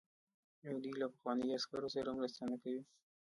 آیا دوی له پخوانیو عسکرو سره مرسته نه کوي؟